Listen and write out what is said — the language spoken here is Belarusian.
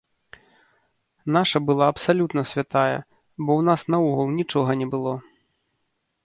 Наша была абсалютна святая, бо ў нас наогул нічога не было.